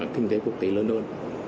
kinh tế quốc tế lân đơn